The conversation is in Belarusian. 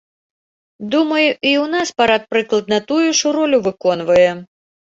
Думаю, і ў нас парад прыкладна тую ж ролю выконвае.